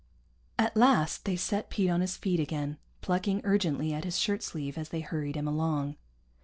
At last they set Pete on his feet again, plucking urgently at his shirt sleeve as they hurried him along.